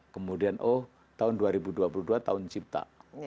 kemudian oh tahun dua ribu dua puluh dua tahun cipta